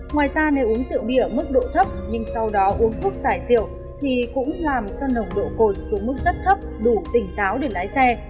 ngoài ra nếu uống rượu bia ở mức độ thấp nhưng sau đó uống thuốc giải rượu thì cũng làm cho nồng độ cồn xuống mức rất thấp đủ tỉnh táo để lái xe